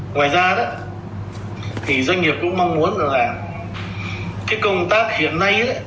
ngoài ra doanh nghiệp cũng mong muốn là công tác hiện nay